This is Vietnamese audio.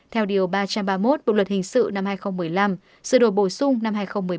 theo điều ba trăm ba mươi một bộ luật hình sự năm hai nghìn một mươi năm sự đổi bổ sung năm hai nghìn một mươi bảy